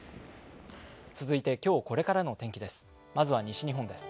続いて、今日これからの天気です。